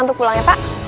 untuk pulang ya pak